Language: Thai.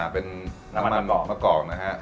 เป็นน้ำมันหล่อมะกอกนะฮะ